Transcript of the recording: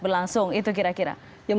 berlangsung itu kira kira